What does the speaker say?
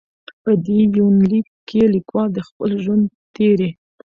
په دې یونلیک کې لیکوال د خپل ژوند تېرې.